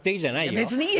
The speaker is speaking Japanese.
別にいいよ！